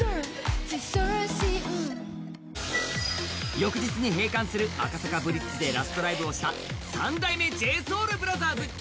翌日に閉館する赤坂ＢＬＩＴＺでラストライブをした三代目ＪＳＯＵＬＢＲＯＴＨＥＲＳ。